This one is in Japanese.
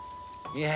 いや。